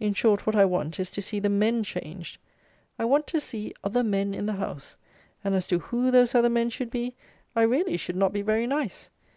In short, what I want is, to see the men changed. I want to see other men in the House; and as to who those other men should be, I really should not be very nice.